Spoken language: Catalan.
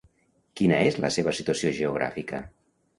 Quina és la seva situació geogràfica?